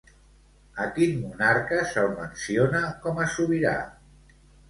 A quin monarca se'l menciona com a sobirà?